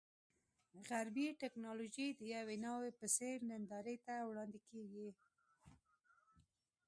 غربي ټکنالوژي د یوې ناوې په څېر نندارې ته وړاندې کېږي.